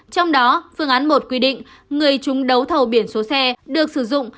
trong đó phương án một quy định người chúng đấu thầu biển số xe được sử dụng